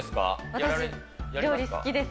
私、料理好きです。